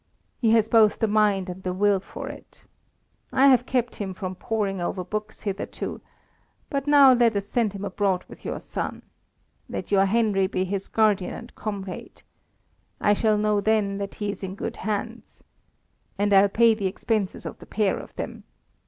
He has both the mind and the will for it. I have kept him from poring over books hitherto, but now let us send him abroad with your son. Let your Henry be his guardian and comrade. I shall know then that he is in good hands. And I'll pay the expenses of the pair of them.